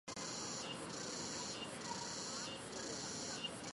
尼基福罗沃市镇是俄罗斯联邦沃洛格达州乌斯秋日纳区所属的一个市镇。